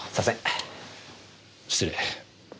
失礼。